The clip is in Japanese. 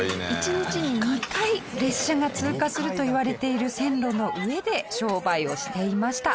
１日に２回列車が通過するといわれている線路の上で商売をしていました。